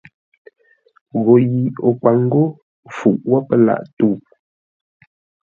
Gho yi o kwâŋ ńgó fuʼ wə́ pə́ lâʼ tə̂u.